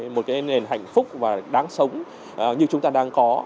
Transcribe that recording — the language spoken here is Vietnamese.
một cái nền hạnh phúc và đáng sống như chúng ta đang có